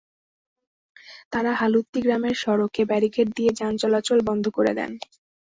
তাঁরা হালুত্তি গ্রামের সড়কে ব্যারিকেড দিয়ে যান চলাচল বন্ধ করে দেন।